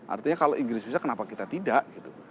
artinya kalau inggris bisa kenapa kita tidak gitu